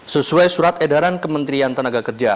sesuai surat edaran kementerian tenaga kerja